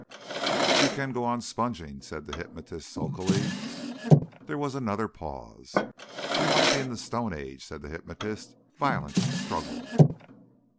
"You can go on sponging," said the hypnotist sulkily. There was another pause. "We might be in the Stone Age," said the hypnotist. "Violence! Struggle!"